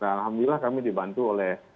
alhamdulillah kami dibantu oleh